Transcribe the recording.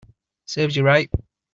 Serves you right